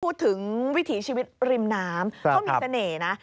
พูดถึงวิถีชีวิตริมน้ำเขามีเสน่ห์นะ